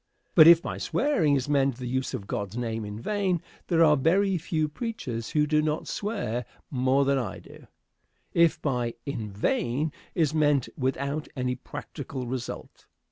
But if by swearing is meant the use of God's name in vain, there are very few preachers who do not swear more than I do, if by "in vain" is meant without any practical result.